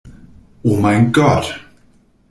Oh mein Gott!